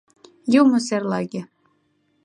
Юмо серлаге.